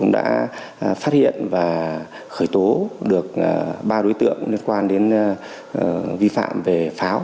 đã phát hiện và khởi tố được ba đối tượng liên quan đến vi phạm về pháo